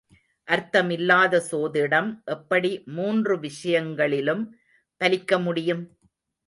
அர்த்தமில்லாத சோதிடம் எப்படி மூன்று விஷயங்களிலும் பலிக்க முடியும்?